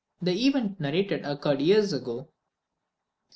The event narrated occurred years ago.